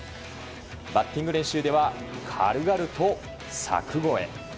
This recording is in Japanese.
バッティング練習では軽々と柵越え。